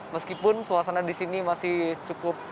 meskipun suasana di sini masih cukup